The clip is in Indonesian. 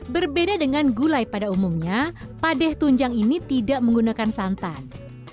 berbeda dengan gulai pada umumnya padeh tunjang ini tidak menggunakan santan